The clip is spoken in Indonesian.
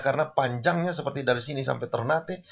karena panjangnya seperti dari sini sampai ternate